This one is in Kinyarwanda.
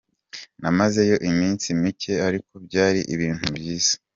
Namazeyo iminsi mike ariko byari ibintu byiza.